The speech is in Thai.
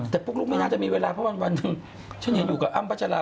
แต่ไม่ใช่ปุลุกหรอกใช่ปุลุกหรอก